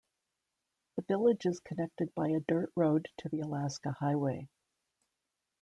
The village is connected by a dirt road to the Alaska Highway.